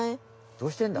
どうしてんだ？